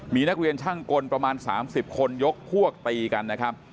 มีนักเรียนช่างกลประมาณ๓๐คนยกพวกตีกันนะครับ